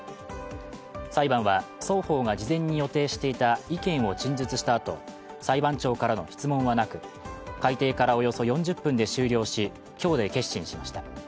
裁判は、双方が事前に予定していた意見を陳述したあと、裁判長からの質問はなく、開廷からおよそ４０分で終了し今日で結審しました。